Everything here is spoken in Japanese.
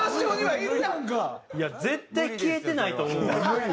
絶対消えてないと思うわ。